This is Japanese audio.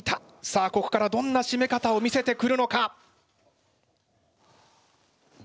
さあここからどんなしめ方を見せてくるのか？